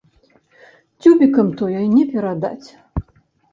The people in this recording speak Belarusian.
Цюбікам тое не перадаць.